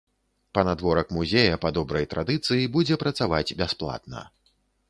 Панадворак музея па добрай традыцыі будзе працаваць бясплатна.